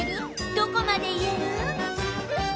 どこまで言える？